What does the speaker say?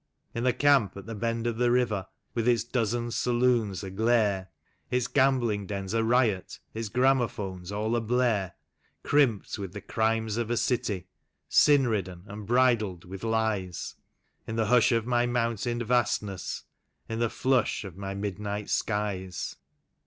In the camp at the bend of the river, with its dozen saloons aglare, Its gambling dens ariot, its gramophones all ablare; Crimped with the crimes of a city, sin ridden and bridled with lies, In the hush of my mountained vastness, in the flush of my midnight skies.